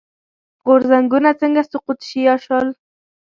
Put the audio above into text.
غورځنګونه څنګه سقوط شي یا شول.